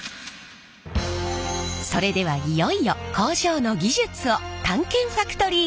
それではいよいよ工場の技術を探検ファクトリー！